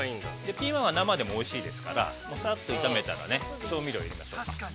◆ピーマンは生でもおいしいですからもうサーっと炒めたらね、調味料を入れましょうか。